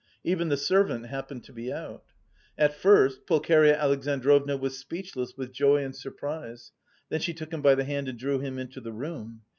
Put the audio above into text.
Even the servant happened to be out. At first Pulcheria Alexandrovna was speechless with joy and surprise; then she took him by the hand and drew him into the room.